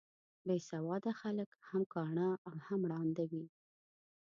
بې سواده خلک هم کاڼه او هم ړانده دي.